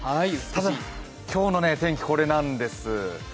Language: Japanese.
ただ、今日の天気これなんです。